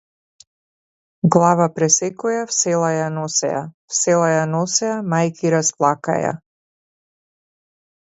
Глава пресекоја в села ја носеја, в села ја носеја мајки расплакаја.